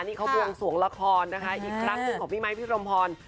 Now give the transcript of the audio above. นี่เขาบวงสวงละครนะคะอีกครั้งหนึ่งของพี่ไมค์พี่รมพร